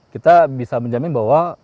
kita bisa menjamin bahwa